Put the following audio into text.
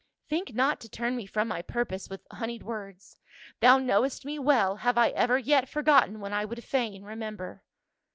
" Think not to turn mc from my purpose with hon eyed words. Thou knowest me well, have I ever yet forgotten when I would fain remember?"